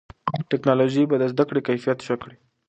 ټیکنالوژي به د زده کړې کیفیت ښه کړي.